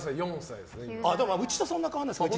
うちとそんなに変わらないですね。